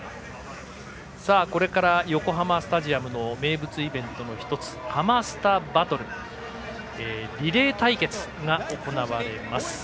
これから、横浜スタジアムの名物イベントの１つ「ハマスタバトル」リレー対決が行われます。